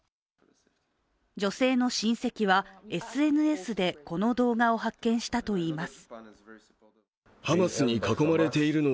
女性の親戚は、ＳＮＳでこの動画を発見したといいます。